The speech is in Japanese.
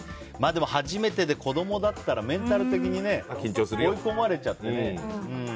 でも、初めてで子どもだったらメンタル的に追い込まれちゃってね。